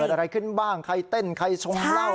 เกิดอะไรขึ้นบ้างใครเต้นใครทรงเล่า